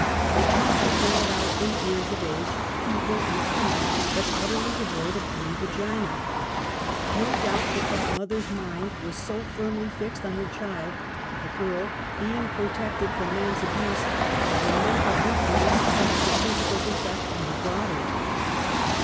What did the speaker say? The child is now about eight years of age, feeble and timid but utterly devoid of any vagina. 1^0 doubt but that mother's mind was so firmly fixed on her child, (if a girl,) being protected from man's abuse, that her mental influence caused the physical defect in her daughter.